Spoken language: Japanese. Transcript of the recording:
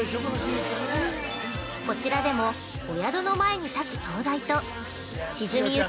こちらでもお宿の前に立つ灯台と沈み行く